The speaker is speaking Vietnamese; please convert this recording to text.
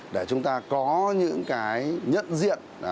để chúng ta có những cái nhận diện